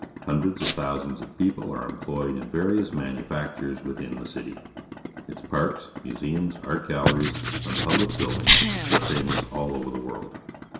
Hundreds of thousands of people are employed in various manufactures within the city. Its parks, museums, art galleries, and public buildings are famous all over the world.